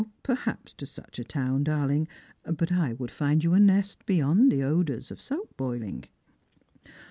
" Perhaps to such a town, darling; but I would find you a nest beyond the odours of soap boiliug."